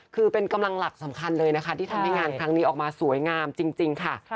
คือเป็นกำลังหลักสำคัญเลยนะคะที่ทำให้งานครั้งนี้ออกมาสวยงามจริงค่ะ